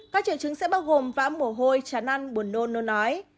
các triệu chứng sẽ bao gồm vã mổ hôi chán ăn buồn nôn nôn ái